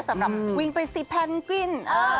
สำหรับวิ่งไปสิแพนกวิน